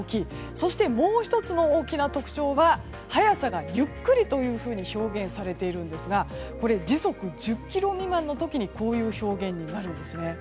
そしてもう１つの大きな特徴は速さがゆっくりと表現されているんですが時速１０キロ未満の時にこういう表現になるんです。